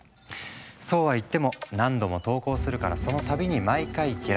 そうはいっても何度も投稿するからその度に毎回下落。